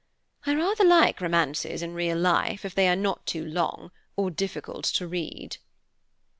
I rather like romances in real life, if they are not too long, or difficult to read."